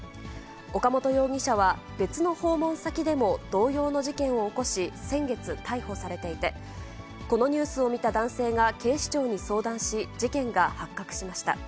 岡本容疑者は別の訪問先でも同様の事件を起こし、先月、逮捕されていて、このニュースを見た男性が警視庁に相談し、事件が発覚しました。